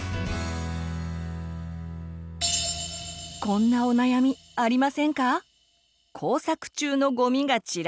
こんなお悩みありませんか？